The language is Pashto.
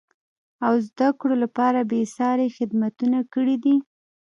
او زده کړو لپاره بېسارې خدمتونه کړیدي.